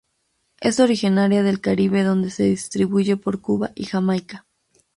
Es originaria del Caribe donde se distribuye por Cuba y Jamaica.